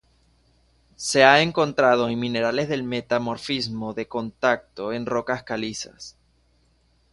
Se ha encontrado en minerales del metamorfismo de contacto en rocas calizas.